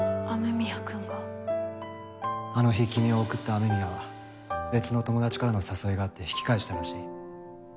雨宮くんが？あの日君を送った雨宮は別の友達からの誘いがあって引き返したらしい。